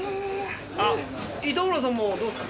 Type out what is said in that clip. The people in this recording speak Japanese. あっ糸村さんもどうっすか？